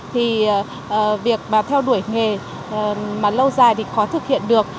thì việc mà theo đuổi nghề mà lâu dài thì khó thực hiện được